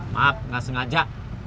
maaf gak sengaja